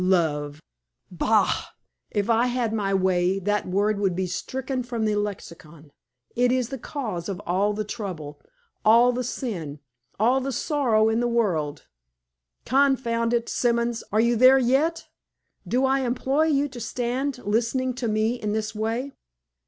Love? Bah! if I had my way, that word should be stricken from the lexicon. It is the cause of all the trouble, all the sin, all the sorrow in the world _Con_found it, Simons! are you there yet? Do I employ you to stand listening to me in this way?